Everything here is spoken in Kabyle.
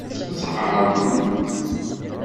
Ad tt-ɛerḍen.